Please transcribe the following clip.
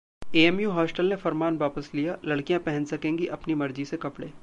AMU hostel ने फरमान वापस लिया, लड़कियां पहन सकेंगी अपनी मर्जी से कपड़े